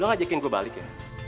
lo ngajakin gue balik ya